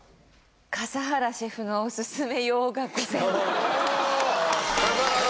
笠原シェフのおすすめ洋画５選。